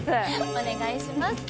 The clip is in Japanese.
お願いします。